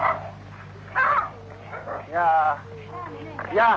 やあ。